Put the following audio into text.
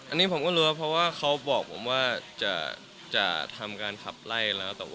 อันนี้จริงไม่จริงเราก็พูดเข้าใจตามเราก็ได้แล้ว